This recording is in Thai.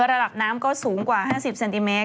ระดับน้ำก็สูงกว่า๕๐เซนติเมตร